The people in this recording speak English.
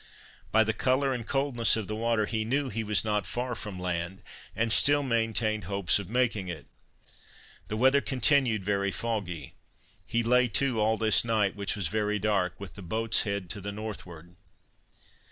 By the colour and coldness of the water, he knew he was not far from land, and still maintained hopes of making it. The weather continued very foggy. He lay to all this night, which was very dark, with the boat's head to the northward.